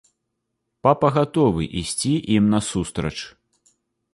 Папа гатовы ісці ім насустрач.